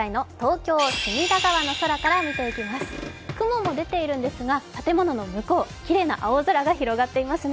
雲も出ているんですが建物の向こう、きれいな青空が広がっていますね。